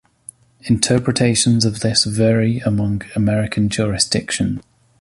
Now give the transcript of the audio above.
Interpretations of this vary among American jurisdictions.